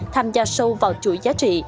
tham gia sâu vào chuỗi giá trị